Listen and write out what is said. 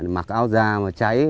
mặc áo già mà cháy